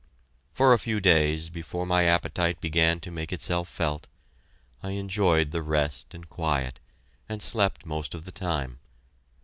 For a few days, before my appetite began to make itself felt, I enjoyed the rest and quiet, and slept most of the time.